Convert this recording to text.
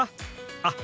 あっ